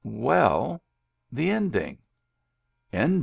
"Well — the ending." "Ending?"